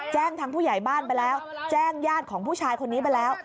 แจ้งทางผู้ใหญ่บ้านไปแล้วแจ้งญาติของผู้ชายคนนี้ไปแล้ว